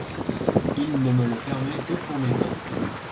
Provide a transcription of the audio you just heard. Il ne me le permet que pour mes bains.